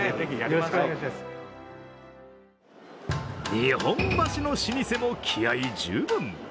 日本橋の老舗も気合い十分。